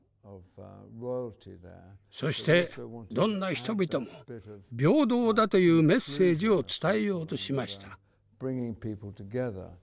そしてどんな人々も平等だというメッセージを伝えようとしました。